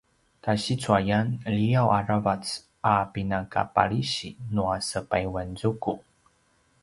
tasicuayan liav aravac a pinakapalisi nua sepayuanzuku